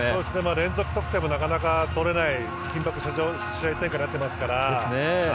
連続得点もなかなか取れない緊迫した試合展開になっていますから。